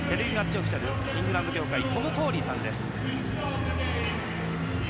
オフィシャルイングランド協会のトム・フォーリーさんです。